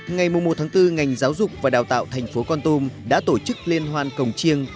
ngày một bốn ngành giáo dục và đào tạo thành phố con tum đã tổ chức liên hoan cổng chiêng